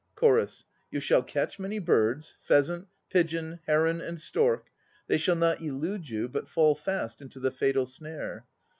CHORUS. You shall catch many birds, Pheasant, pigeon, heron and stork. They shall not elude you, but fall Fast into the fatal snare.